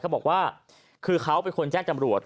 เขาบอกว่าคือเขาเป็นคนแจ้งจำรวจ